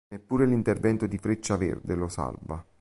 Neppure l'intervento di Freccia Verde lo salva.